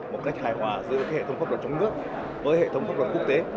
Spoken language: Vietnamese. một cách hài hòa giữa hệ thống pháp luật trong nước với hệ thống pháp luật quốc tế